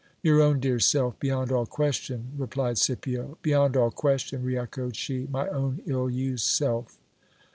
Your own dear self, beyond all question, replied Scipio. Beyond all question, re echoed she, my own ill used self.